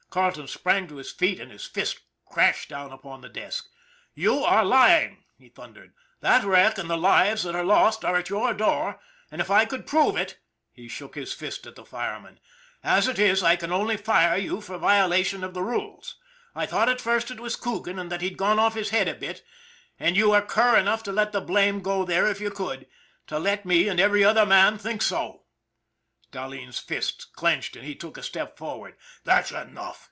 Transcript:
Carleton sprang to his feet, and his fist crashed down upon the desk. " You are lying! " he thundered. " That wreck and the lives that are lost are at your door, and if I could prove it !" he shook his fist at the fireman. " As it is I can only fire you for violation of the rules. I thought at first it was Coogan and that he'd gone off his head a bit, and you are cur enough to let the blame go there if you could, to let me and every other man think so!" Dahleen's fists clenched, and he took a step forward. " That's enough